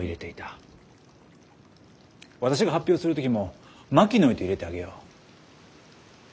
私が発表する時も「マキノイ」と入れてあげよう。